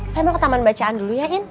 saya mau ke taman bacaan dulu ya in